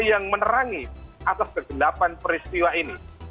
yang menerangi atas kegendapan peristiwa ini